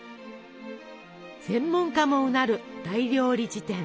専門家もうなる「大料理事典」。